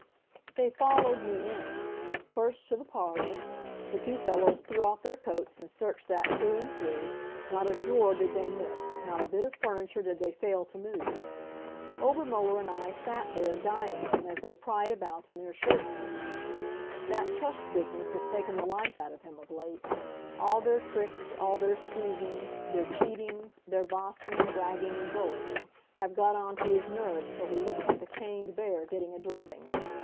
They followed me in. First to the parlor. The two fellows threw off their coats and searched that through and through not a drawer did they miss, not a bit of furniture did they fail to move. Obermuller and I sat there guying them as they pried about in their shirt sleeves. That Trust business has taken the life out of him of late. All their tricks, all their squeezings, their cheatings, their bossing and bragging and bullying have got on to his nerves till he looks like a chained bear getting a drubbing.